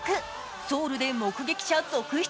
ソウルで目撃者続出。